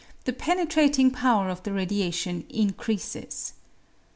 the penetrating power of the radiation incrcascB.